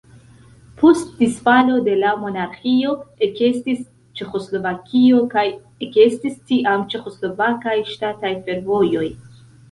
Post disfalo de la monarĥio ekestis Ĉeĥoslovakio kaj ekestis tiam Ĉeĥoslovakaj ŝtataj fervojoj.